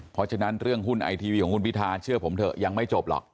เพราะฉะนั้นเรื่องหุ้นไอทีวีของคุณพิทาเชื่อผมเถอะยังไม่จบหรอก